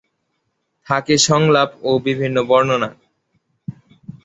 থাকে সংলাপ ও বিভিন্ন বর্ণনা।